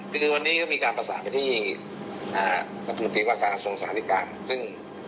คือวันนี้ก็มีการประสาทไปที่อ่าปกติว่าการส่งสาธิการซึ่ง